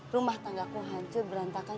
rumah tangga ku hancur berantakan